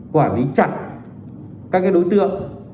quản lý chặt các đối tượng